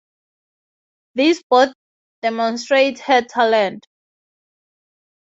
These both demonstrate her talent.